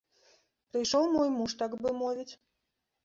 Прыйшоў мой муж, так бы мовіць.